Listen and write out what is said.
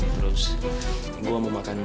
terus gue mau makan